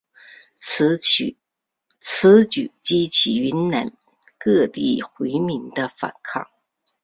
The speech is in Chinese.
此举激起云南各地回民的反抗。